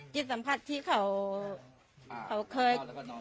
จิตสัมผัสที่เขาเคย